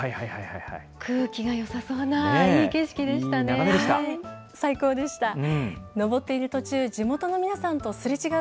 空気がよさそうないい景色でしたいい眺めでした。